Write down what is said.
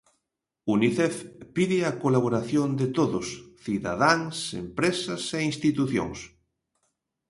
Unicef pide a colaboración de todos: cidadáns, empresas e institucións.